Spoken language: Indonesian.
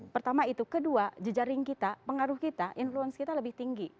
pertama itu kedua jejaring kita pengaruh kita influence kita lebih tinggi